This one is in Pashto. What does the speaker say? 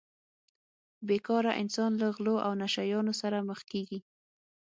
بې کاره انسان له غلو او نشه یانو سره مخ کیږي